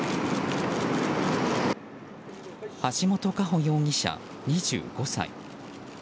橋本佳歩容疑者、２５歳。